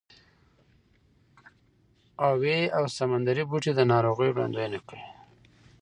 اوې او سمندري بوټي د ناروغۍ وړاندوینه کوي.